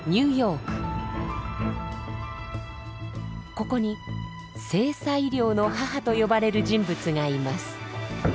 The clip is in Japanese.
ここに性差医療の母と呼ばれる人物がいます。